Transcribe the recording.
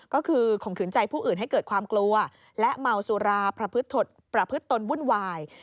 ก็คือข่มขืนใจผู้อื่นให้เกิดความกลัวและเมาสุราประพฤติตนวุ่นวาย